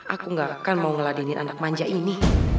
aku gak akan mau ngeladinin anak manja ini